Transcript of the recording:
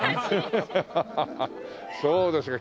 そうですか。